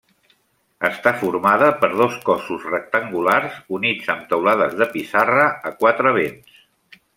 Està formada per dos cossos rectangulars units amb teulades de pissarra a quatre vents.